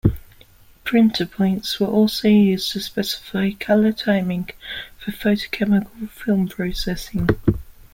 Printer points were also used to specify color timing for photochemical film processing.